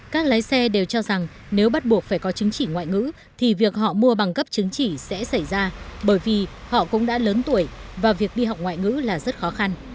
các lái xe đều cho rằng nếu bắt buộc phải có chứng chỉ ngoại ngữ thì việc họ mua bằng cấp chứng chỉ sẽ xảy ra bởi vì họ cũng đã lớn tuổi và việc đi học ngoại ngữ là rất khó khăn